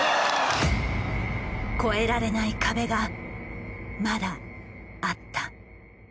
超えられない壁がまだあった。